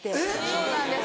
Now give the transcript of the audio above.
そうなんです。